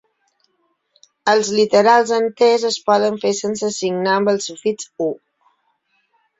Els literals enters es poden fer sense signar amb el sufix U.